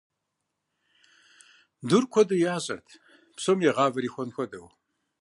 Дур куэду ящӏырт, псоми я гъавэр ихуэн хуэдэу.